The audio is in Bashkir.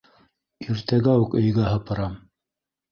Иртәгә үк өйгә һыпырам.